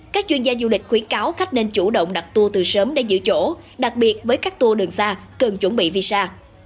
cần chuẩn bị visa